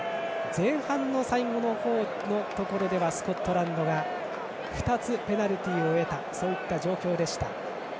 前半最後の方にはスコットランドが２つペナルティーを得たそういった状況でした。